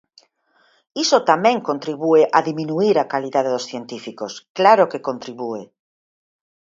Iso tamén contribúe a diminuír a calidade dos científicos, ¡claro que contribúe!